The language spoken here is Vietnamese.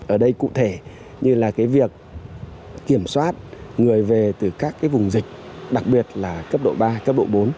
ở đây cụ thể như là cái việc kiểm soát người về từ các vùng dịch đặc biệt là cấp độ ba cấp độ bốn